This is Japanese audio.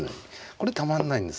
これたまんないんです。